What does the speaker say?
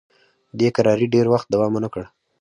دې کراري ډېر وخت دوام ونه کړ.